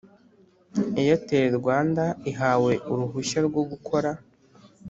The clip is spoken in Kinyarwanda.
Airtel Rwanda ihawe uruhushya rwo gukora